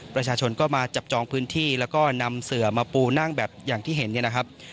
ประชาชนก็มาจับจองพื้นที่แล้วก็นำเสือมาปูนั่งแบบที่เห็น